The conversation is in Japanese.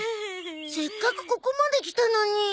せっかくここまで来たのに。